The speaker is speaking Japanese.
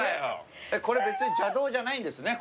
これ邪道じゃないんですね